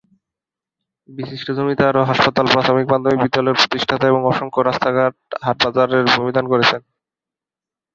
বিশিষ্ট জমিদার ও হাসপাতাল, প্রথমিক-মাধ্যমিক বিদ্যালয়ের প্রতিষ্ঠাতা এবং অসংখ্য রাস্তাঘাঁট, হাটবাজারের ভূমি দান করেছেন।